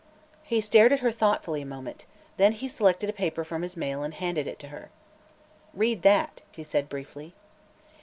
He stared at her thoughtfully a moment. Then he selected a paper from his mail and handed it to her. "Read that," he said briefly.